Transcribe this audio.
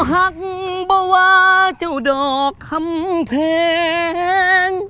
หักบ่วาเจ้าดอกคำเพลง